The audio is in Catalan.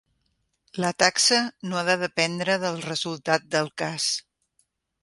La taxa no ha de dependre del resultat del cas.